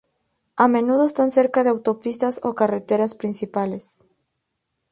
A menudo están cerca de autopistas o carreteras principales.